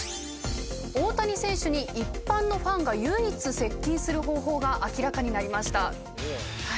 大谷選手に一般のファンが唯一接近する方法が明らかになりました。